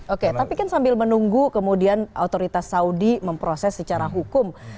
oke tapi kan sambil menunggu kemudian otoritas saudi memproses secara hukum